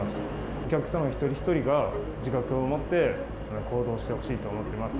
お客様一人一人が自覚を持って行動してほしいと思っています。